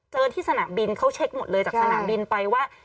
ที่สนามบินเขาเช็คหมดเลยจากสนามบินไปว่า